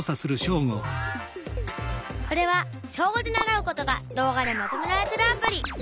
これは小５で習うことが動画でまとめられてるアプリ。